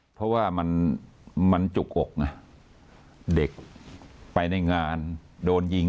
เพราะว่ามันมันจุกอกไงเด็กไปในงานโดนยิง